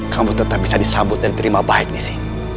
kamu tetap bisa disambut dan terima baik di sini